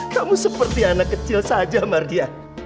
kamu seperti anak kecil saja mardian